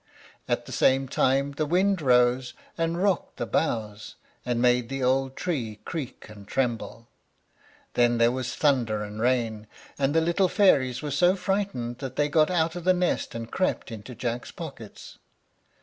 At the same time the wind rose, and rocked the boughs, and made the old tree creak and tremble. Then there was thunder and rain, and the little fairies were so frightened that they got out of the nest and crept into Jack's pockets.